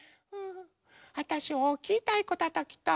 あたしおおきいたいこたたきたい。